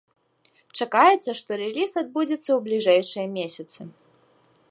Чакаецца, што рэліз адбудзецца ў бліжэйшыя месяцы.